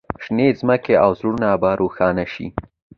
شینې ځمکې او زړونه په روښانه شي.